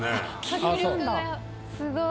迫力がすごい。